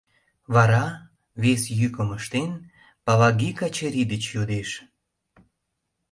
Вара, вес йӱкым ыштен, Палаги Качыри деч йодеш: